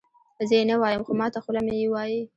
زه یې نه وایم خو ماته خوله مې یې وایي.